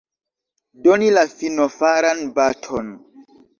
Doni la finofaran baton.